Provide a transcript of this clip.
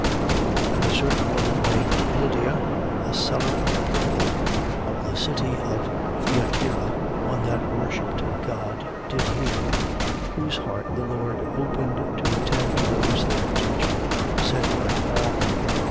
16:14. And a certain woman named Lydia, a seller of purple, of the city of Thyatira, one that worshipped God, did hear: whose heart the Lord opened to attend to those things which were said by Paul.